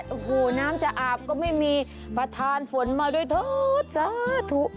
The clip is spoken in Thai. โอ้โหน้ำจะอาบก็ไม่มีประธานฝนมาด้วยเถิดสาธุ